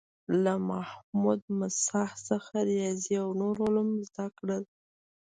له محمود مساح څخه ریاضي او نور علوم زده کړل.